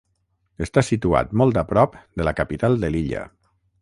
Està situat molt a prop de la capital de l'illa.